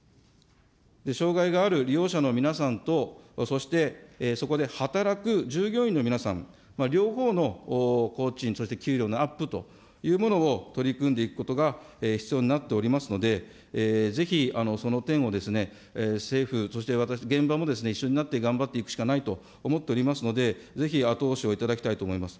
障害がある利用者の皆さんと、そしてそこで働く従業員の皆さん、両方の工賃、そして給料のアップというものも取り組んでいくことが必要になっておりますので、ぜひ、その点をですね、政府、そして現場も一緒になって頑張っていくしかないと思っておりますので、ぜひ、後押しをいただきたいと思います。